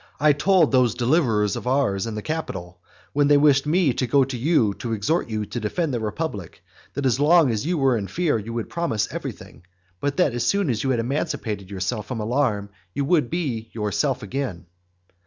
I told those deliverers of ours in the Capitol, when they wished me to go to you to exhort you to defend the republic, that as long as you were in fear you would promise everything, but that as soon as you had emancipated yourself from alarm you would be yourself again.